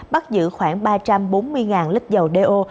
bắt giữ khoảng ba trăm bốn mươi lít dầu đeo